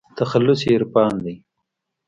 تخلص يې عرفان دى.